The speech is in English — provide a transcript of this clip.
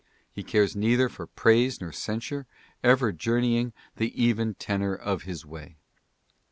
He cares neither for praise nor censure, ever jour neying " the even tenor of his way."